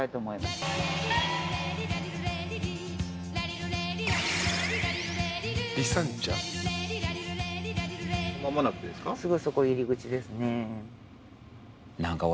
すぐそこ入り口ですね。